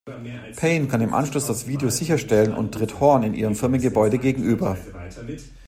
Payne kann im Anschluss das Video sicherstellen und tritt Horne in ihrem Firmengebäude gegenüber.